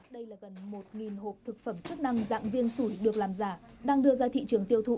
đây là gần một hộp thực phẩm chức năng dạng viên sủi được làm giả đang đưa ra thị trường tiêu thụ